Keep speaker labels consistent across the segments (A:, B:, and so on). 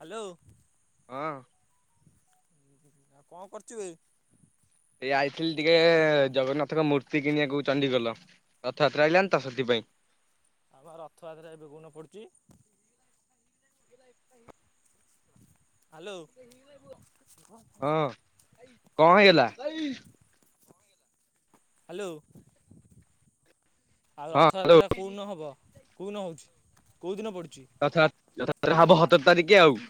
A: Hello.
B: ହଁ।
A: ଆଉ କଣ କରୁଚୁ ବେ?
B: ଏଇ ଆଇଥିଲି ଟିକେ ଜଗନ୍ନାଥଙ୍କ ମୂର୍ତ୍ତି କିଣିବାକୁ ଚଣ୍ଡୀଗୋଲ। ରଥଯାତ୍ରା ଆଇଲାଣି ତ ସେଥିପାଇଁ।
A: ଆମ ରଥ ଯାତ୍ରା ଏବେ କୋଉ ଦିନ ପଡ଼ୁଛି। ହାଲୋ [inaudible]
B: ହଁ। କଁ ହେଇଗଲା?
A: ହାଲୋ। ଆଉ
B: ହଁ ହ୍ୟାଲୋ
A: ରଥଯାତ୍ରା କଉଁ ନ ହବ, କଉ ନ ହେଉଛି କଉଦିନ ପଡ଼ୁଛି?
B: ରଥ ଯା ରଥ ଯାତ୍ରା ହବ ହତର ତାରିଖି ଆଉ।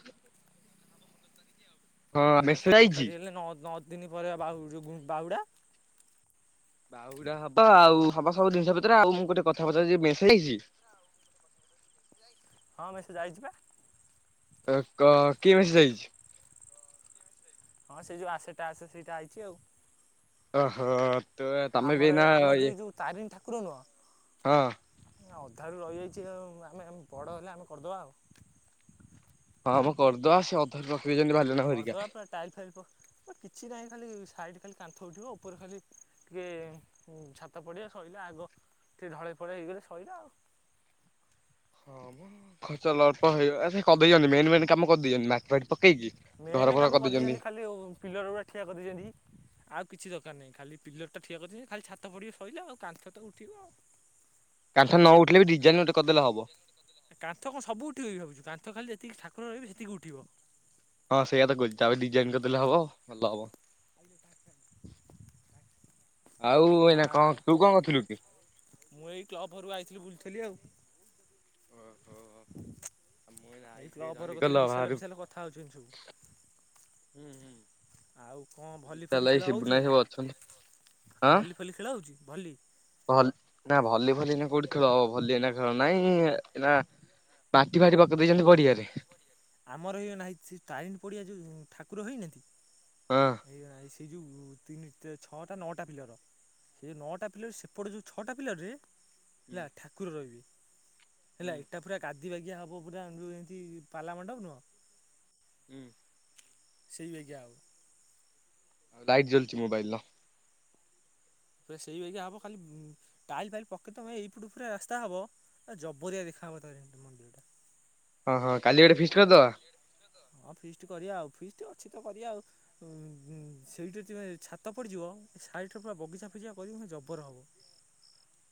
B: ହଁ
A: ଆଉ
B: ମେସେଜ
A: ସତ
B: ଆଇଛି।
A: ତାରିଖ ହେଲେ ନଅ ନଅ ଦିନି ପରେ ଆଉ ବାହୁଁ ଗୁ ବାହୁଡ଼ା।
B: ବାଉଡା ହବ ଆଉ ହବ ସବୁ ଜିନିଷ ପତ୍ର ଆଉ ମୁଁ ଗୋଟେ କଥାପଚାରୁଛି ମିସ ହେଇଛି କି?
A: [inaudible] ହଁମେସେଜ ଆଇଛିିବା।
B: କ କି ମେସେଜ୍ ଆଇଛି?
A: ହଁ ସେ ଯୋଉ ଆସେଟାସ ସେଇଟା ଆଇଛି ଆଉ।
B: ଓହୋ ତେବେ ତମେ ବି ଏଇନା ଇଏ।
A: ତାରିଣ ଠାକୁର ନୁହଁ
B: ହଁ।
A: [unintelligible] ଅଧାରୁ ରହିଯାଇଛି ଆଉ ଆମେ ଆମେ ବଡ଼ ହେଲେ ଆମେ କରିଦେବା ଆଉ।
B: ହଁ ଆମ କରିଦବା ସେ ଅଧାରେ ପଖେଇଛନ୍ତି ଭା
A: କରିଦବା ପୁରା ଟାଇଲ ଫାଇଲ ପ୍ ବଟ୍ କିଛି ନାହିଁ ଖାଲି ସାଇଡ଼୍ ଖାଲି କାନ୍ଥ ଉଠିବ, ଉପରେ ଖାଲି ଟିକେ ହ ଛାତ ପଡ଼ିଆ ଶଇଲେ ଆଗ ଟିକେ ଢଳେଇ ଫଳେଇ ହେଇଗଲେ ଶଇଲା ଆଉ।
B: ହଁ ମ ଖର୍ଚ୍ଚ ଅଳ୍ପ ହେଇ ସେ କହିଦେଇଛନ୍ତି ମେନ ମେନ କାମ କରିଦେଇଛନ୍ତି, ମାଟି ଫାଟି ପକେଇକି
A: ମେନ୍
B: ଘର ଫର
A: କାମ
B: କରିଦେଇଛନ୍ତି।
A: ଖାଲି ପିଲର ଗୁଡ଼ା ଠିଆ କରିଦେଇଛନ୍ତି। ଆଉ କିଛି ଦରକାର ନାହିଁ, ଖାଲି ପିଲଟ ଟା ଠିଆ କରିଛନ୍ତି ଖାଲି ଛାତ ପଡିବ ଶଇଲା ଆଉ କାନ୍ଥ ତ ଉଠିବ ଆଉ।
B: କାନ୍ଥ ନ ଉଠିଲେ ବି ଡିଜାଇନ୍ ଗୋଟେ କରିଦେଲେ ହବ।
A: କାନ୍ଥ କଣ ସବୁ ଉଠିବ ବି ଭାବୁଛୁ କାନ୍ଥ ଖାଲି ଯେତିକି ଠାକୁର ରହିବେ ସେତିକି ଉଠିବ।
B: ହଁ ସେଇଆ ତ କହୁଚି ତାପରେ ଡିଜାଇନ କରିଦେଲେ ହବ, ଭଲ ହବ। ଆଉ
A: ଆ
B: ଏଇନା କଣ, ତୁ କଣ କରୁଥିଲୁ କି?
A: ମୁଁ ଏଇ କ୍ଲବଘରୁକୁ ଆଇଥିଲି, ବୁଲୁଥିଲି ଆଉ।
B: ଓହୋ। ମୁଁ ଏଇନା
A: ଏଇ
B: ଆଇଚି ଟିକେ
A: କ୍ଲବଘର
B: ଚଣ୍ଡିଖୋଲ
A: କତିରେ ବିଶାଲ
B: ବାହାରୁ
A: ଫିଶାଲ କଥା ହଉଛନ୍ତି
B: ହୁଁ
A: ସବୁ।
B: ହୁଁ।
A: ଆଉ କଣ ଭଲି
B: ବିଶାଲ
A: ଫଲି
B: ଭାଇ
A: ଖେଳ
B: ଶିବୁନ
A: ହଉଛି
B: ଭାଇ
A: ଏଇନା,
B: ସବୁ ଅଛନ୍ତି।
A: ଭଲି ଭଲି ଖେଳା ହେଉଛି, ଭଲି?
B: ଭଲ ନା ଭଲି ଫଲି ଏଇନି କଉଠି ଖେଳ ହବ, ଭଲି ଏଇନା ଖେଳ ନାଇଁ ଏଇନା ମାଟି ଫାଟି ପକେଇ ଦେଇଛନ୍ତି ପଡିଆରେ?
A: ଆମର ହେଇ ନାହିଁ [unintelligible] ଟ୍ରାଇନ୍ ପଡିଆ ଯଉ ଠାକୁର ହେଇନାହାନ୍ତି।
B: ହଁ।
A: ଏଇ ଆ ସେଇ ଯୋଉ ତିନି, ଛଅଟା, ନଅଟା ପିଲର। ସେ ନଅଟା ପିଲର ସେପଟ ଯଉ ଛଅଟା ପିଲରରେ ହେଲା ଠାକୁର ରହିବେ, ହେଲା ଏଟା ପୁରା ଗାଦି ବାଗିଆ ହବ ପୁରା ଯୋଉ ଏମତି ପାଲା ମଣ୍ଡପ ନୁହଁ?
B: ହୁଁ।
A: ସେଇ ବେଗିଆ ହବ।
B: ଲାଇଟ ଜଳୁଚି ମୋବାଇଲର।
A: ପୁରା ସେଇ ବାଗିଆ ହବ, ଖାଲି ଟାଇଲ ଫାଇଲ ପକେଇ ତମେ ଏଇପୁଟୁ ପୁରା ରାସ୍ତା ହବ। ଆ, ଜବରିଆ ଦେଖା ହବ ତାରିଣୀ ମନ୍ଦିରଟା।
B: ଓ ହୋ କାଲି ଗୋଟେ ଫିଷ୍ଟ କରିଦବା।
A: ହଁ, ଫିଷ୍ଟ କରିବା ଆଉ, ଫିଷ୍ଟ ଅଛି ତ କରିବା ଆଉ। ସେଇଟା ଯେବେ ଛାତ ପଡ଼ିଯିବ ସାଇଟରେ, ପୁରା ବଗିଚା ଫଗିଚା କରିକି ପୁରା ଜବର ହବ।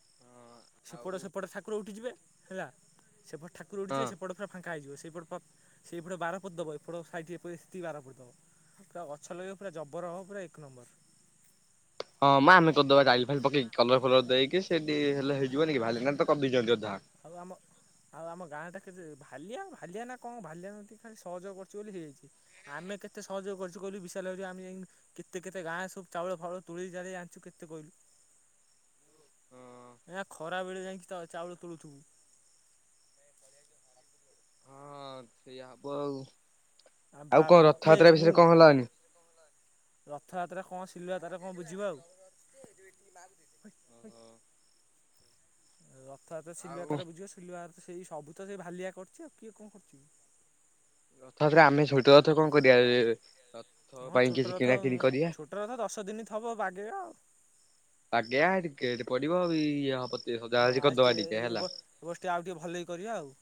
B: ହଁ ଆଉ
A: ସେପଟ ସେପଟ ଠାକୁର ଉଠିଯିବେ ହେଲା, ସେପଟ ଠାକୁର
B: ହଁ
A: ଉଠିଯିବେ ସେପଟ ପୁରା ଫାଙ୍କା ହେଇଯିବ। ସେଇପଟ ପ-ସେଇପଟେ ବାର ପୋତି ଦବ, ଏପଟ ସାଇଟି ଟିକେ ପେ-ବାର ପୋତି ଦବ। ପୁରା ଗଛ ଲଗେଇବ ପୁରା ଜବର ହବ, ପୁରା ଏକ ନମ୍ବର।
B: ହଁ ମଁ ଆମେ କରିଦବା ଟାଇଲି ଫାଇଲି ପକେଇକି, କଲର ଫଲର ଦେଇକି, ସେଠି ହେଲେ ହେଇ ଯିବନି କି, ଭାଲେନା ତ କରିଦେଇଛନ୍ତି ଅଧା।
A: ଆଉ ଆମ ଆଉ ଆମ ଗାଁ ଟା କେବେ, ଭାଲିଆ ଭାଲିଆନା କଣ? ଭାଲିଆ ଏମିତି ଖାଲି ସହଯୋଗ କରୁଚି ବୋଲି ହେଇଯାଇଛି। ଆମେ କେତେ ସହଯୋଗ କରୁଛୁ କହିଲୁ, ବିଶାଲ ହେରିକା ଆମେ ଯାଇଁ କେତେ କେତେ ଗାଁ ସବୁ ଚାଉଳ ଫାଉଳ ତୁଳେଇ ତାଳେଇ ଆଣିଛୁ କେତେ କହିଲୁ?
B: ହଁ।
A: ଖରା ବେଳେ ଯାଇକି ଚା-ଚାଉଳ ତୋଳୁଥୁବୁ।
B: ହଁ ସେଇଆ
A: ଆ
B: ହବ
A: ବଣ୍ଟି ଭାଇ ମୁଁ
B: ଆଉ।
A: ରଥଯାତ୍ରା କଣ ସିଲୁଆ ତାର କଣ ବୁଝିବ ଆଉ? ରଥଯାତ୍ରା
B: ଆଉ
A: ସିଲୁଆ ତାର ବୁଝିବ। ସିଲୁଆ ସେଇ ସବୁ ତ ସେଇ ଭାଲିଆ କରୁଛି, ଆଉ କିଏ କଣ କରୁଛି କି?
B: ରଥଉପରେ ଆମେ ଛୋଟ ରଥ କଣ କରିବା? ରଥ ପାଇଁ କିଛି କିଣା କିଣି କରିବା।
A: ରଥଯାତ୍ରା ଦଶ ଦିନି ଥବ ବାଗେଇବା ଆଉ।
B: ବାଗେଇବା, ସେଠି ଗେଟ୍ ପଡିିବ, ଇଏ ହବ
A: ହଁ,
B: ସଜାସଜି
A: ଆଜି
B: କରିଦବା
A: ଟିକେ ଏଇ ଏ
B: ହେଲା।
A: ବ ଏ ବର୍ଷ ଆଉ ଟିକେ ଭଲ କି କରିବା ଆଉ।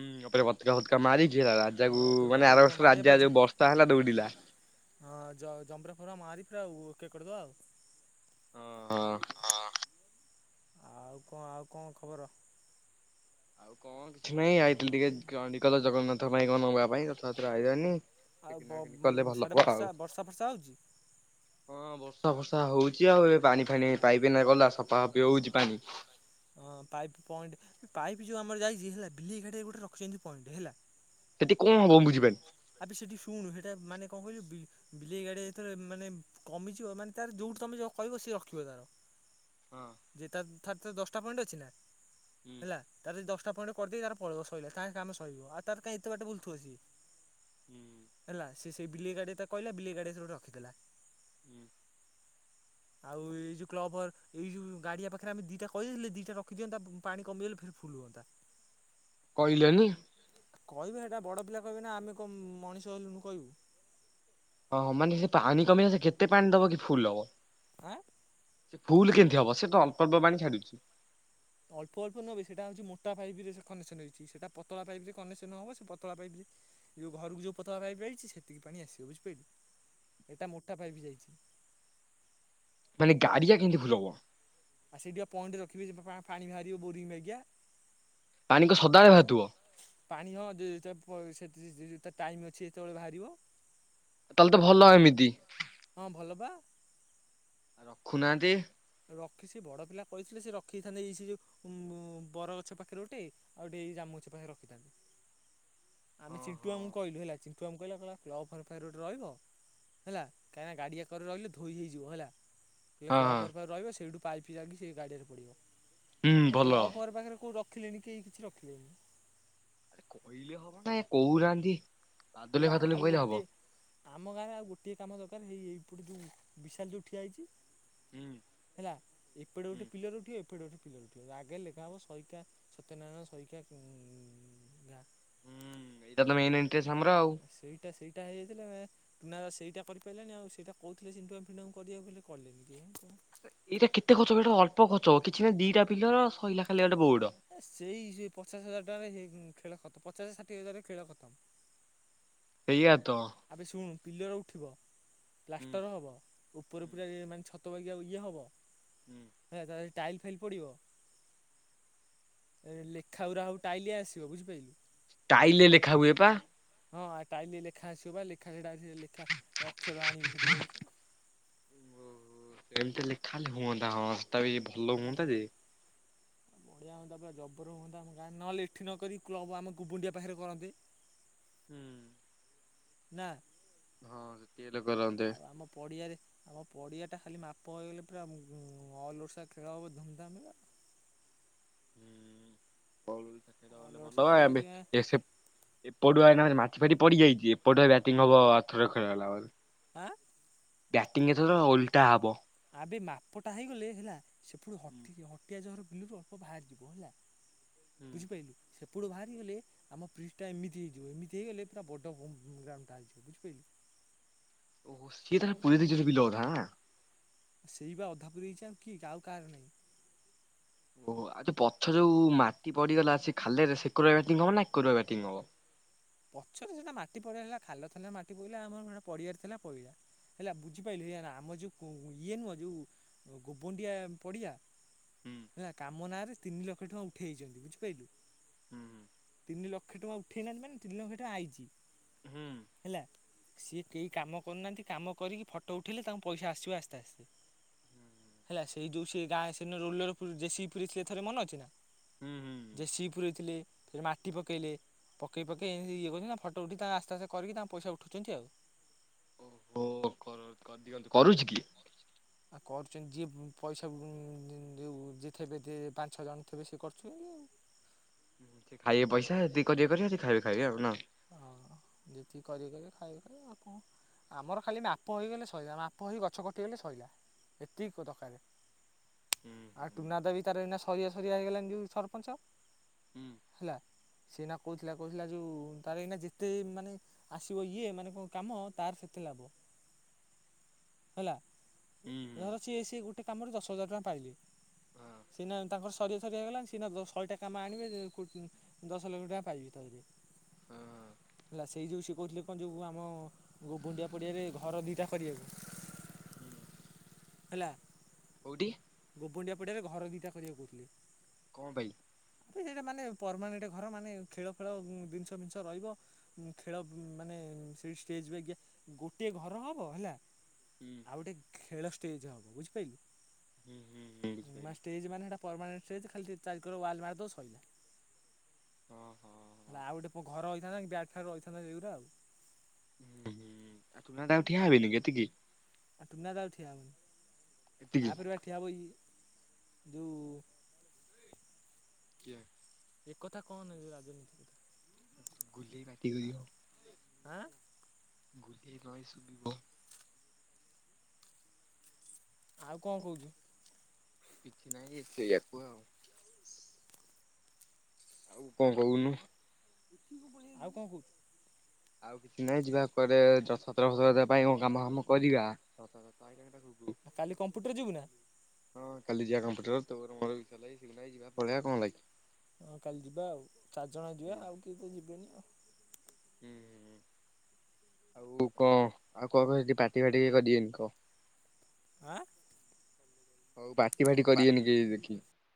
B: ହୁଁ, ଉପରେ ପତକା ଫତକା ମାରିକି ହେଲା, ରାଜାକୁୁ
A: ହଁ ଉପରେ
B: ମାନେ
A: ପତାକା
B: ଆର
A: ଫତାକା
B: ବର୍ଷ ରାଜା ଯୋଉ ବର୍ଷା ହେଲା ଦୌଡିଲା।
A: ହଁ, ଜମ୍ବୁରା ଫମ୍ବୁରା ମାରି ପୁରା ଓକେ କରିଦବା ଆଉ।
B: ହଁ ହଁ।
A: ଆଉ କଣ? ଆଉ କଣ ଖବର?
B: ଆଉ କଣ କିଛି ନାହିଁ, ଆଇଥିଲି ଟିକେ ଚଣ୍ଡିଖୋଲ ଜଗନ୍ନାଥ ପାଇଁ, କଣ ନବା ପାଇଁ ରଥଯାତ୍ରା ଆଇଲାନି।
A: ଆଉ ବ-ସାଡେ ବର୍ଷା ବର୍ଷା ଫର୍ଷା ହଉଚି।
B: [inaudible] ହଁ, ବର୍ଷା ଫର୍ଷା ହଉଚି ଆଉ ଏବେ ପାଣି ଫାଣି ପାଇପ ଏଇନେ ଗଲା, ସଫା ସଫି ହଉଛି ପାଣି
A: ହଁ, ପାଇପ୍ ପଏଣ୍ଟ ପାଇପ୍ ଯୋଉ ଆମର ଯାଇଛି, ହେଲା ବିଲେଇ ଘାଟରେ ଗୋଟେ ରଖିଛନ୍ତି ପଏଣ୍ଟ ହେଲା।
B: ସେଠି କଣ ହବ, ମୁ ବୁଝିପାରୁନି?
A: ଆବେ ସେଠି ଶୁଣୁ, ହେଟା ମାନେ କଣ କହିଲୁ, ବି ବିଲେଇ ଗାଡିଆ ଯେତେବେଳେ ମାନେ କମିଯିବ, ମାନେ ତାର ଯୋଉଠୁ ତମେ ଯ କହିବ, ସିଏ ରଖିବ ତାର।
B: ହଁ।
A: ଯେ ତାର ତର ତ ଦଶଟା ପଏଣ୍ଟ ଅଛି ନା ହେଲା। ତାର ଯଦି ଦଶଟା ପଏଣ୍ଟ କରିଦେଇ ତାର ପଳେଇବ ସଇଲା ତା କାମ ସଇଯିବ ଆଉ ତାର କାହିଁ ଏତେ ବାଟ ବୁଲୁଥିବ ସିଏ।
B: ହୁଁ।
A: ହେଲା, ସେ ସେଇ ବିଲେଇ ଗାଡିଆ ତାକୁ କହିଲା, ବିଲେଇ ଗାଡିଆ ସୋଉଠୁ ରଖିଦେଲା।
B: [inaudible]
A: ଆଉ ଏଇ ଯୋଉ କ୍ଲବ୍ ଘର, ଏଇ ଯୋଉ ଗାଡିଆ ପାଖରେ, ଆମେ ଦିଟା କହିଦେଇଥିଲେ ଦିଟା ରଖିଦିଅନ୍ତା, ପାଣି କମିଗଲେ ଫେର୍ ଫୁଲୁଅନ୍ତା।
B: କିହିଲନି।
A: କହିବେ, ସେଟା ବଡ ପିଲା କହିବେ ନା, ଆମେ କଣ ମଣିଷ ହେଲୁଣୁ କହିବୁ।
B: ହଁ, ମାନେ ସେ ପାଣି କମିଲେ ସେ କେତେ ପାଣି ଦବ କି ଫୁଲ୍ ହବ?
A: ଆଁ।
B: ସେ ଫୁଲ୍ କେମିତି ହବ ସେ ତ ଅଳ୍ପ ଅଳ୍ପ ପାଣି ଛାଡୁଛି।
A: ଅଳ୍ପ ଅଳ୍ପ ନୁଅବେ ସେଟା ହଉଛି ମୋଟା ପାଇପିରେ ସେ କନେକ୍ସନ ହେଇଛି, ସେଟା ପତଳା ପାଇପିରେ କନେକ୍ସନ ହବ ସେ ପତଳା ପାଇପରେ ଯୋଉ ଘରକୁ ଯୋଉ ପତଳା ପାଇପି ଆଇଛି ସେତିକି ପାଣି ଆସିବ ବୁଝିପାଇଲୁ, ଏଟା ମୋଟା ପାଇପି ଯାଇଛି।
B: ମାନେ ଗାଡ଼ିଆ କେମିତି ଫୁଲ୍ ହବ?
A: ଆ ସେଇଟିପା ପଏଣ୍ଟ ରଖିବେ ପା ପାଣି ବାହାରିବ ବୋରିଂ ବାଗିଆ।
B: ପାଣି କଣ ସଦାବେଳେ ବାହାରୁଥିବ?
A: ପାଣି ହଁ [unintelligible] ତା ଟାଇମ୍ ଅଛି ଯେତବେଳେ ବାହାରିବ।
B: ତାହେଲେ ତ ଭଲ ଏମିତି।
A: ହଁ ଭଲ ପା।
B: ରଖୁନାହାନ୍ତି?
A: ରଖି ସେ ବଡ଼ ପିଲା କହିଥିଲେ ସିଏ ରଖିଦେଇଥାନ୍ତେ ଏଇ ସେଇ ଯୋଉ [unintelligible] ବରଗଛ ପାଖରେ ଗୋଟେ। ଆଉ ଟିକେ ଏଇ ଜାମୁଗଛ ପାଖରେ ରଖିଥାନ୍ତି। ଆମେ
B: ହଁ
A: ଚିଣ୍ଟୁଆ
B: ହଁ
A: ମୁ କହିଲୁ ହେଲା ଚିଣ୍ଟୁଆ ମୁ କହିଲା, କହିଲା କ୍ଲବ୍ ଘରେ ପାଖେରେ ଗୋଟେ ରହିବ। ହେଲା, କାହିଁନା ଗାଡ଼ିଆକରେ ରହିଲେ ଧୋଇ ହେଇଯିବ ହେଲା। କହିଲେ
B: ହଁ
A: କ୍ଲବ୍
B: ହଁ
A: ପାଖରେ ରହିବ ସେଇଠୁ ପାଇପ୍ ଯାଇଁକି ସେ ଗାଡ଼ିଆରେ ପଡ଼ିବ,
B: ହୁଁ
A: ଏ
B: ଭଲ।
A: କ୍ଲବ୍ ପାଖରେ କୋଉ ର ରଖିଲେନି କେହି କିଛି ରଖିଲେନି।
B: କହିଲେ ହବ ନା ଇଏ କହୁନାହାନ୍ତି ବାଦଲଭାଇ
A: ହେଲା
B: ଫାଦଲ
A: ଆଉ
B: ଭାଇଙ୍କୁ କହିଲେ
A: ଗୋଟିଏ
B: ହବ।
A: ଆମ ଗାଁରେ ଆଉ ଗୋଟିଏ କାମ ଦରକାର ହେଇ ଏଇପଟେ ଯୋଉ ବିଶାଲ୍ ଯୋଉ ଠିଆ ହେଇଛି।
B: ହୁଁ।
A: ହେଲା, ଏପଟେ
B: ହୁଁ
A: ଗୋଟେ ପିଲର ଉଠିବ, ଏପଟେ ଗୋଟେ ପିଲର ଉଠିବ, ଆଗରେ ଲେଖାହବ ସହିକା ସତ୍ୟନାରାୟଣ ଶଇକା [inaudible] ଗାଁ।
B: ହୁଁ ଏଇଟା ତ ମେନ୍ ଏଣ୍ଟ୍ରି [unintelligible] ଆଉ।
A: ସେଇଟା ସେଇଟା ହେଇଯାଇଥିଲେ ମେ ମୁନା ବା ସେଇଟା କରିପାଇଲାନି ଆଉ ସେଇଟା କହୁଥିଲେ ଚିଣ୍ଟୁଆମୁ ଫିଣ୍ଟୁଆମୁ କରିବାକୁ ହେଲେ କଲେନି କିଏ [unintelligible]
B: ଏଇଟା କେତେ ଖର୍ଚ୍ଚ ହବ ଏଇଟା ଅଳ୍ପ ଖର୍ଚ୍ଚ ହବ କିଛି ନାହୁଁ ଦିଇଟା ପିଲର, ଶଇଲା ଖାଲି ଗୋଟେ ବୋର୍ଡ଼।
A: ସେଇ ସେ ପଚାଶ ହଜାର ଟଙ୍କାରେ ହେଇ ଖେଳ ଖତ, ପଚାଶ ଷାଠିଏ ହଜାରରେ ଖେଳ ଖତମ୍।
B: ସେଇଆ ତ।
A: ଆବେ ଶୁଣୁ ପିଲର ଉଠିବ, ପ୍ଲାଷ୍ଟର
B: ହୁଁ
A: ହବ। ଓପର ପୁରା ଇଏ ମାନେ ଛତ ବାଗିଆ ଇଏ ହବ।
B: ହୁଁ।
A: ହେଲା, ତା [unintelligible] ଟାଇଲ୍ ଫାଇଲ୍ ପଡିବ। ଏ ଲେଖାଉରା ହବୁ ଟାଇଲି ଆସିବ ବୁଝିପାଇଲୁ।
B: ଟାଇଲ୍ ଲେ ଲେଖା ହୁଏ ପା।
A: ହଁ ଆ ଟାଇଲି ଲେଖା ଆସିବ ପା ଲେଖା ସେଟା ସେ ଲେଖା ଅକ୍ଷର ଆଣିବୁ ସେଟୁ ଯାଇଁକି।
B: ଏମିତି ଲେଖା ହେଲେ ହୁଅନ୍ତା ହଁ ରାସ୍ତା ବି ଭଲ ହୁଅନ୍ତା
A: ହଁ।
B: ଯେ।
A: ବଢ଼ିଆ ହୁଆନ୍ତା ପୁରା ଜବର ହୁଅନ୍ତା ଆମ ଗାଁ, ନହଲେ ଏଠି ନ କରିିକି କ୍ଲବ୍ ଆମ କୁବୁଣ୍ଡିଆ ପାଖରେ କରନ୍ତେ।
B: ହୁଁ।
A: ନାଁ
B: ହଁ ସେ ଟିଏଲେ କରନ୍ତେ।
A: ପଡ଼ିଆରେ, ଆମ ପଡ଼ିଆଟା ଖାଲି ମାପ ହେଇଗଲେ, ପୁରା [unintelligible] ଅଲ୍ ଓଡିଶା ଖେଳ ହବ ଧୁମ୍‌ଧାମରେ।
B: [unintelligible] ଏପଟୁଆ
A: ଅଲ୍ ଓଡ଼ିଶା ଖେଳ
B: ଏଇନା
A: ହଉଛି ଆଁ
B: ଖାଲି ମାଟି ଫାଟି ପଡିଯାଇଚି, ଏପଟ ବ୍ୟାଟିଂ ହବ ଆରଥର ଖେଳ ହେଲା ବେଳେ।
A: ଆଁ?
B: ବ୍ୟାଟିଂ ଏଥର ଓଲ୍ଟା ହବ।
A: ଆବେ ମାପଟା ହେଇଗଲେ ହେଲା, ସେପଟୁ ହଟିଯିବ ହଟିଆଜହର ବିଲରୁ ସାପ ବାହାରି ଯିବ ହେଲା ବୁଝିପାଇଲୁ ସେପଟୁ ବାହାରି ଗଲେ ଆମ ଫ୍ରିଜ୍ ଟା ଏମିତି ହେଇଯିବ, ଏମିତି ହେଇଗଲେ ପୁରା ବଡ ଉଁ ଗ୍ରାଉଣ୍ଡ୍ ଟା ହେଇଯିବ ବୁଝିପାଇଲୁ।
B: ଓ ସିଏ ତାର ପୁରେଇ ଦେଇଚି ସେ ବିଲଗୁଡା ନା?
A: ସେଇ ବା ଅଧା ପୂରେଇଚି ଆଉ କିଏ କି ଆଉ କାଆର ନାଇଁ।
B: ଓହୋ ଆଉ ପଛ ଯୋଉ ମାଟି ପଡିଗଲା ସେ ଖାଲରେ ସେ କରୁଆ ବ୍ୟାଟିଂ ହବ ନା ଏ କରୁଆ ବ୍ୟାଟିଂ ହବ?
A: ପଛରେ ସେଟା ମାଟି ପଡିଗଲା ଖାଲ ଥିଲା ମାଟି ପଇଲା ଆମର ପଡିଆରେ ଥିଲା ପଇଲା। ହେଲା ବୁଝିପାଇଲୁ ୟାର୍ ଆମର ଯୋଉ ଇଏ ନୁହଁ ଯୋଉ ଗୋବଣ୍ଡିଆ ପଡ଼ିଆ
B: ହୁଁ
A: ହେଲା କାମ ନାଁରେ ତିନି ଲକ୍ଷ ଟଙ୍କା ଉଠେଇ ଚନ୍ତି ବୁଝିପାରିଲୁ
B: ହୁଁ
A: ତିନି ଲକ୍ଷ ଟଙ୍କା ଉଠେଇ ନାହାନ୍ତି ମାନେ ତିନି ଲକ୍ଷ ଟଙ୍କା ଆଇଚି
B: ହୁଁ।
A: ହେଲା ସିଏ କେଇ କାମ କରୁନାହାନ୍ତି କାମ କରିକି ଫଟୋ ଉଠେଇଲେ ତାଙ୍କୁ ପଇସା ଆସିବ ଆସ୍ତେ ଆସ୍ତେ ହେଲା ସେଇ ଯୋଉ ସେ ଗାଁ ସେଦିନ ରୋଲର ଜେସିପି ପୁରେଇ ଥିଲେ ଥରେ ମନେ ଅଛି ନା?
B: ହୁଁ ହୁଁ। ହୁଁ।
A: ଜେସିପି ପୁରେଇ ଥିଲେ ସେଠି ମାଟି ପକେଇଲେ ପକେଇ ପକେଇ ଏମ୍ ତି ଇଏ କରୁଚନ୍ତି ତାଙ୍କ ଫଟୋ ଉଠେଇ ତାଙ୍କ ଆସ୍ତେ ଆସ୍ତେ କରିକି ତାଙ୍କ ପଇସା ଉଠଉଚନ୍ତି ଆଉ।
B: ଓ କର୍ କରି ଦିଅନ୍ତୁ।
A: ଆଉ କରୁଚନ୍ତି ଯିଏ ପଇସା ଯଉ ଯିଏ ଥେବେ ପାଞ୍ଚ ଛଅ ଜଣ ଥିବେ ସିଏ କରୁଚନ୍ତି ଆଉ।
B: ସେ ଖାଇବେ ପଇସା ଯେତିକି କରିବେ କରିବେ ସେ ଖାଇବେ ଖାଇବେ ଆଉ ନା।
A: ହଁ ଯେତିକି କରିବେ କରିବେ ଖାଇବେ ଖାଇବେ। ଆମର ଖାଲି ମାପ ହେଇଗଲେ ସଇଲା ମାପ ହୋଇ ଗଛ କଟିଗଲେ ସଇଲା। ଏତିକ ଦକାରେ।
B: ହୁଁ
A: ଆଉ
B: ହୁଁ
A: ଟୁନାଦା ବି ତାର ଏଇନା ସରିଆ ସରିଆ ହେଇଗଲାଣି ଯୋଉ ସରପଞ୍ଚ
B: ହୁଁ
A: ହେଲା ସିଏ ଏଇନା କହୁଥିଲା କହୁଥିଲା ଯୋଉ ତାର ଏଇନା ଯେତେ ମାନେ ଆସିବ ଇଏ ମାନେ କଣ କାମ ତାର ସେତେ ଲାଭ ହେଲା
B: ହୁଁ ହୁଁ
A: ଧର ସିଏ ସିଏ ଗୋଟେ କାମରେ ଦଶ ହଜାର ଟଙ୍କା ପାଇଲେ
B: ହଁ
A: ସିନା ତାଙ୍କର ସରିଆ ସରିଆ ହେଇଗଲାଣି ସିନା ଶହେଟା କାମ ଆଣିବେ ଯେ ଦଶ ଲକ୍ଷ ଟଙ୍କା ପାଇବେ ତାଧେରେ।
B: ହଁ
A: ହେଲା ସେଇ ଯୋଉ ସେ କହୁଥିଲେ କଁ ଯୋଉ ଆମ ଗୋବଣ୍ଡିଆ ପଡ଼ିଆରେ ଘର ଦିଟା କରିଆକୁ।
B: ହୁଁ।
A: ହେଲା
B: କୋଉଠି?
A: ଗୋବଣ୍ଡିଆ ପଡ଼ିଆରେ ଘର ଦିଟା କରିଆକୁ କହୁଥିଲେ।
B: କଁ ପାଇ?
A: ସେଟାମାନେ ପରମାନେଟ୍ ଘର ମାନେ ଖେଳ ଫେଳ ଜିନିଷ୍ ଫିନିଷ୍ ରହିବ। ଖେଳ ମାନେ ସେଇଠି ଷ୍ଟେଜ୍ ବାଗିଆ ଗୋଟିଏ ଘର ହବ ହେଲା
B: ହୁଁ
A: ଆଉ ଗୋଟେ ଖେଳ ଷ୍ଟେଜ୍ ହବ ବୁଝିପାଇଲୁ।
B: ହୁଁ ହୁଁ ହୁଁ
A: ଉଁ
B: ବୁଝିପାରିଲି
A: ଷ୍ଟେଜ୍ ମାନେ ସେଟା ପରମାନେଣ୍ଟ ଷ୍ଟେଜ୍ ଖାଲି ଚାରି କର ୱାଲ୍ ମାରିଦବ ସଇଲା।
B: ହଁ ହଁ।
A: ହେଲା ଆଉ ଗୋଟେ କୋଉ ଘର ହେଇଥାନ୍ତା କି ବ୍ୟାଟ୍ ଫ୍ୟାଟ୍ ରହିଥାନ୍ତା ସେଇଗୁରା ଆଉ
B: ହଁ ହୁଁ ହୁଁ। ଆଉ ଟୁନା ଦା ଆଉ ଠିଆ ହେବିନି କି ଏତିକି?
A: ନା ଟୁନା ଦା ଆଉ ଠିଆ ହବନି
B: ଏତିକି?
A: ଆ ପରେ ବା ଠିଆ ହବ ଇ ଯୋଉ
B: କିଏ?
A: ଏକଥା କଣନା ଯେ ରାଜନୀତି।
B: କିଏ ପାଟିକୁ ଯିବ?
A: ହାଁ
B: [unintelligible]
A: ଆଉ କଣ କହୁଛୁ?
B: [unintelligible]
A: [inaudible]
B: କଣ କହୁନୁ?
A: ଆଉ କଣ କହୁଛୁ?
B: ଆଉ କିଛି ନାହିଁ ଯିବା କୁଆଡେ଼ ଦଶ ସତରଶର ପାଇଁ କଣ କାମ ଫାମ କରିବା।
A: କାଲି କମ୍ପୁଟର ଯିବୁ, ନା?
B: ହଁ, କାଲି ଯିବା କମ୍ପ୍ୟୁଟର, ତ ପଳେଇଆ କଣ ହେଲାକି?
A: ହଁ, କାଲି ଯିବା ଆଉ। ଚାରିଜଣ
B: ହୁଁ
A: ଯିବା ଆଉ, କିଏ ତ ଯିବେନି ଆଉ।
B: [unintelligible] କୁ କ ଆଉ କଣ କ ସେଠି ପାଟି-ଫାଟି କେହି କରିବେନି କ
A: ଆ
B: ପାଟି ଫାଟି କରିବେନି କେ, ଦେଖିକି